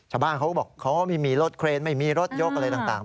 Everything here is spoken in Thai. ถ้าบ้างเขาบอกว่ามีรถเครนไม่มีรถยกอะไรต่าง